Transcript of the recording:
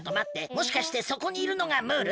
もしかしてそこにいるのがムール？